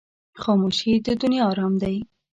خاموشي، د دنیا آرام دی.